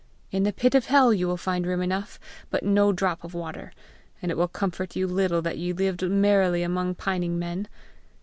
In the pit of hell you will find room enough, but no drop of water; and it will comfort you little that ye lived merrily among pining men!